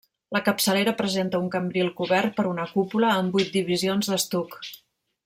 La capçalera presenta un cambril cobert per una cúpula, amb vuit divisions d'estuc.